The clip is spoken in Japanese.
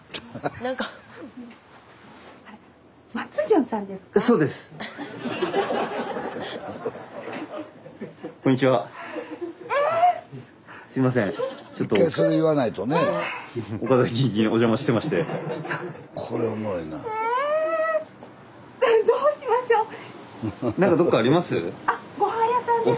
何かどっかあります？